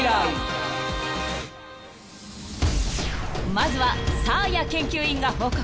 ［まずはサーヤ研究員が報告］